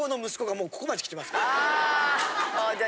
あ！